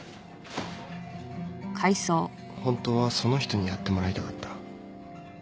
本当はその人にやってもらいたかった？